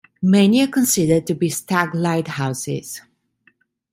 Many are considered to be stag lighthouses.